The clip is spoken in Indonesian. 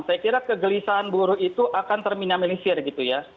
saya kira kegelisahan buruh itu akan terminamilisir gitu ya